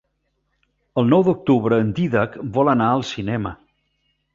El nou d'octubre en Dídac vol anar al cinema.